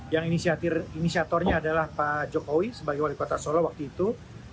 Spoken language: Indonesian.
yang inisiatornya adalah pak jokowi sebagai wali kota solo waktu itu